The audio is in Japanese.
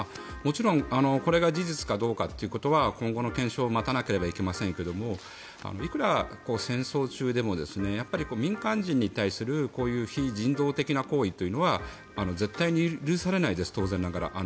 もちろんこれが事実かどうかということは今後の検証を待たなければいけませんがいくら戦争中でも民間人に対するこういう非人道的な行為というのは絶対に許されないです当然ながら。